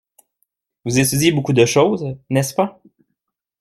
Vous étudiez beaucoup de choses, n’est-ce pas?